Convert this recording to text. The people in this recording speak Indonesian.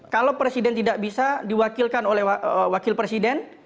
kalau presiden tidak bisa diwakilkan oleh wakil presiden